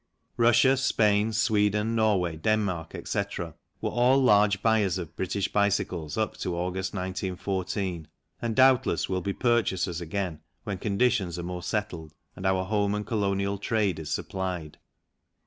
Russia, Spain, Sweden, Norway, Denmark, etc., were all large buyers of British bicycles up to August, 1914, and doubtless will be purchasers again when conditions are more settled and our home and colonial trade is supplied.